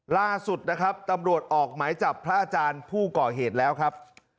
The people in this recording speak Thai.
ล่าสุดนะครับตำรวจออกหมายจับพระอาจารย์ผู้ก่อเหตุแล้วครับ